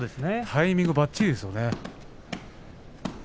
タイミングばっちりです。